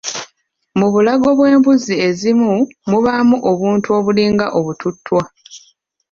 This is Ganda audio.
Mu bulago bw'embuzi ezimu mubaamu obuntu obulinga obututtwa.